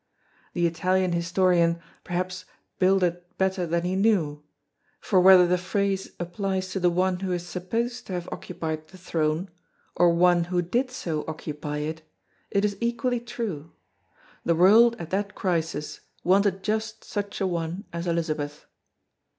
The Italian historian perhaps "builded better than he knew," for whether the phrase applies to the one who is supposed to have occupied the throne or one who did so occupy it, it is equally true. The world at that crisis wanted just such an one as Elizabeth.